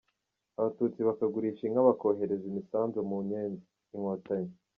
Abatutsi bakagurisha inka bakohereza imisanzu mu Nyenzi-inkotanyi.